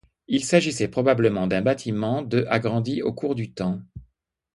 Il s'agissait probablement d'un bâtiment de agrandi au cours du temps.